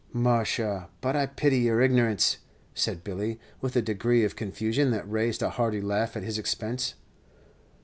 "Musha, but I pity your ignorance," said Billy, with a degree of confusion that raised a hearty laugh at his expense.